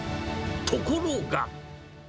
ところが。